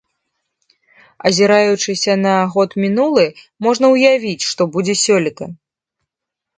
Азіраючыся на год мінулы, можна ўявіць, што будзе сёлета.